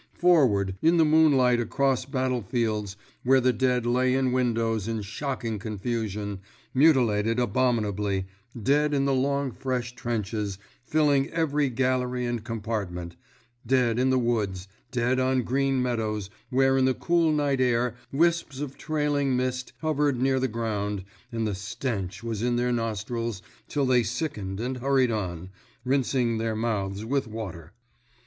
Forward, in the moonlight across battle fields where the dead lay in windrows in shocking confusion, mutilated abominably, dead in the long fresh trenches, filling every gallery and compartment, dead in the woods, dead on green meadows where in the cool night air wisps of trailing mist hovered near the ground and the stench was in their nostrils till they sickened and hurried on, rinsing their mouths with water!